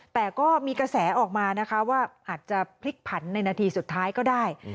แต่ก็มีกระแสออกมานะคะว่าอาจจะพลิกผันในนาทีสุดท้ายก็ได้